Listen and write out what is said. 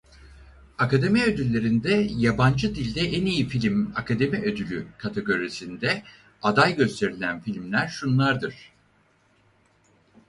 Akademi Ödülleri'nde Yabancı Dilde En İyi Film Akademi Ödülü kategorisinde aday gösterilen filmler şunlardır: